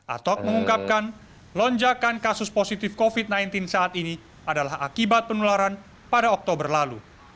atok mengungkapkan lonjakan kasus positif covid sembilan belas saat ini adalah akibat penularan pada oktober lalu